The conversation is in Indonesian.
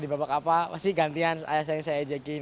sebab apa pasti gantian ayah saya yang saya ejakin